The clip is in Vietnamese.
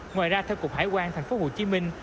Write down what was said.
ngoài ra theo cục hải quan thành phố hồ chí minh